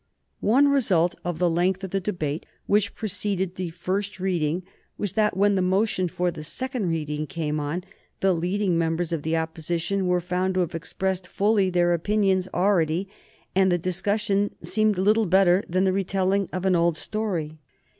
One result of the length of the debate which preceded the first reading was that when the motion for the second reading came on the leading members of the Opposition were found to have expressed fully their opinions already, and the discussion seemed little better than the retelling of an old story.